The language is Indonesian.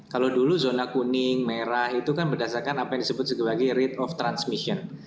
kalau dulu zona kuning merah itu kan berdasarkan apa yang disebut sebagai rate of transmission